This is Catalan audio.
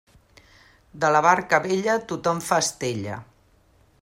De la barca vella, tothom fa estella.